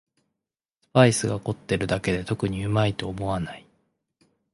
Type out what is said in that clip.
スパイスが凝ってるだけで特にうまいと思わない